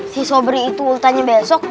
si sobri itu ulta nya besok